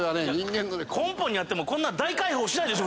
根本にあってもこんな大開放しないでしょ！